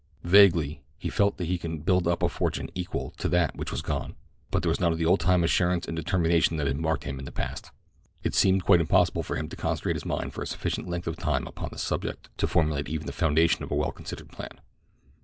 Vaguely he felt that he could again build up a fortune equal to that which was gone; but there was none of the old time assurance and determination that had marked him in the past—it seemed quite impossible for him to concentrate his mind for a sufficient length of time upon the subject to formulate even the foundation of a well considered plan.